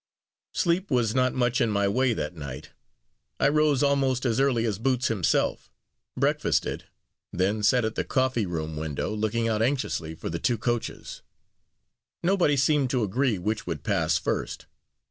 Sleep was not much in my way that night. I rose almost as early as Boots himself breakfasted then sat at the coffee room window looking out anxiously for the two coaches. Nobody seemed to agree which would pass first.